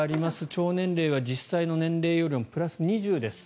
腸年齢は実際の年齢よりもプラス２０です。